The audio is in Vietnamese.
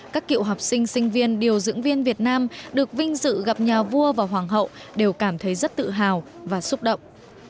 các cựu học sinh sinh viên điều dưỡng viên việt nam được vinh dự gặp nhà vua và hoàng hậu đều cảm thấy rất tự hào và xúc động